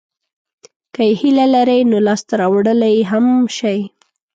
که یې هیله لرئ نو لاسته راوړلای یې هم شئ.